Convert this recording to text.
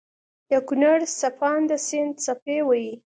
دکونړ څپانده سيند څپې وهي